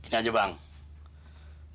dia kan masih dalam suasana keseluruhan